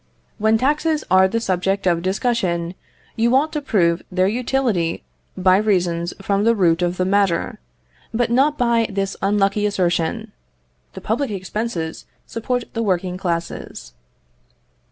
When taxes are the subject of discussion, you ought to prove their utility by reasons from the root of the matter, but not by this unlucky assertion "The public expenses support the working classes."